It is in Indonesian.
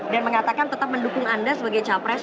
dan mengatakan tetap mendukung anda sebagai capres